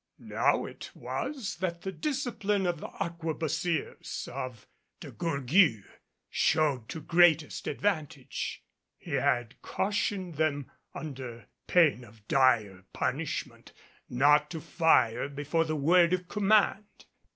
Now it was that the discipline of the arquebusiers of De Gourgues showed to greatest advantage. He had cautioned them under pain of dire punishment not to fire before the word of command.